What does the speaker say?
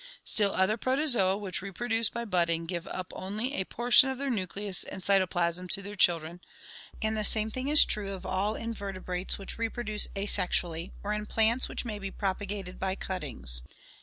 Still other Protozoa which reproduce by budding give up only a portion of their nucleus and cytoplasm to their children, and the same thing is true of all invertebrates which reproduce asexually, or in plants which may be propagated by cuttings.